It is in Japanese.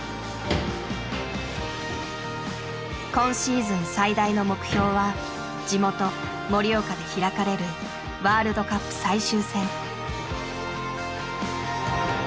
今シーズン最大の目標は地元盛岡で開かれるワールドカップ最終戦。